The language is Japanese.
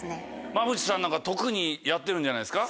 馬淵さんなんか特にやってるんじゃないですか？